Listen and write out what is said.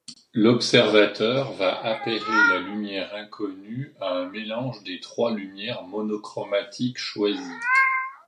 L'observateur va apairer la lumière inconnue à un mélange des trois lumières monochromatiques choisies.